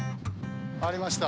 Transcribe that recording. ありました。